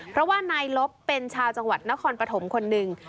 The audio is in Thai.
เพราะว่านายลบเป็นชาวจังหวัดนครปฐมคนหนึ่ง